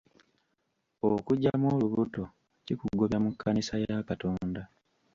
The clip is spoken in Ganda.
Okuggyamu olubuto kikugobya mu kkanisa ya Katonda.